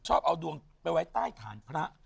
ชอบเอาดวงไปไว้ใต้ฐานพระ